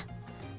ada roti maria mas